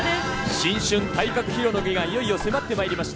新春体格披露の儀が、いよいよ迫ってまいりました。